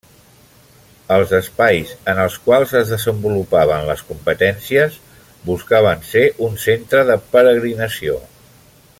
Els espais en els quals es desenvolupaven les competències buscaven ser un centre de peregrinació.